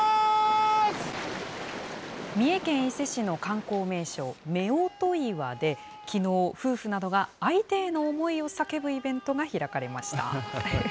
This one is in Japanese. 三重県伊勢市の観光名所、夫婦岩で、きのう、夫婦などが相手への思いを叫ぶイベントが開かれました。